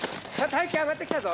大輝上がってきたぞ。